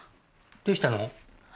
どうしたの？